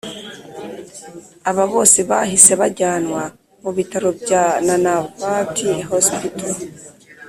aba bose bahise bajyanwa mu bitaro bya nanavati hospital